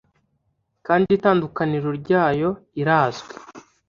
Kandi itandukaniro ryayo irazwi